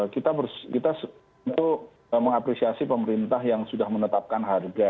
kita harus mengapresiasi pemerintah yang sudah menetapkan